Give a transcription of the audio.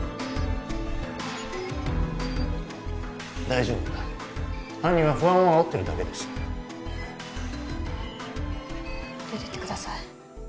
大丈夫犯人は不安をあおってるだけです出てってください